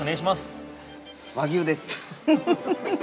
◆和牛です。